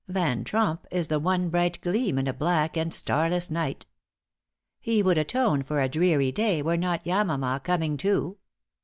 Van Tromp is the one bright gleam in a black and starless night. He would atone for a dreary day were not Yamama coming too."